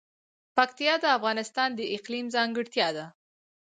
پکتیکا د افغانستان د اقلیم ځانګړتیا ده.